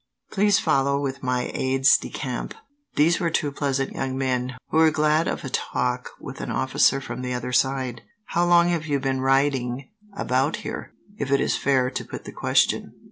Please follow with my aides de camp." These were two pleasant young men, who were glad of a talk with an officer from the other side. "How long have you been riding about here, if it is fair to put the question?"